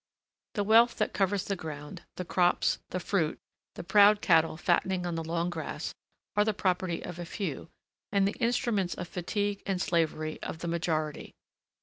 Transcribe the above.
The wealth that covers the ground, the crops, the fruit, the proud cattle fattening on the long grass, are the property of a few, and the instruments of fatigue and slavery of the majority.